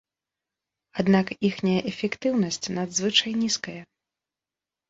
Аднак іхняя эфектыўнасць надзвычай нізкая.